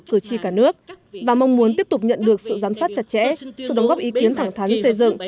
cử tri cả nước và mong muốn tiếp tục nhận được sự giám sát chặt chẽ sự đóng góp ý kiến thẳng thắn xây dựng